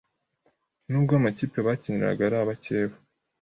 nubwo amakipe bakiniraga ari abakeba